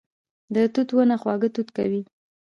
د توت ونه خواږه توت کوي